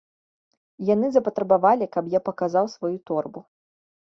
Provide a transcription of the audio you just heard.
Яны запатрабавалі, каб я паказаў сваю торбу.